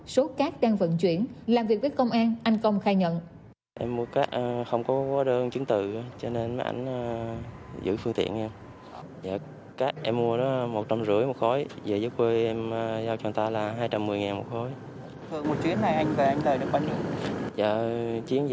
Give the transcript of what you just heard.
số cát đang vận chuyển làm việc với công an anh công khai nhận